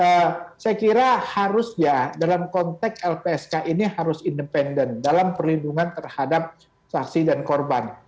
ya saya kira harusnya dalam konteks lpsk ini harus independen dalam perlindungan terhadap saksi dan korban